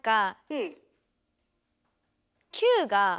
うん。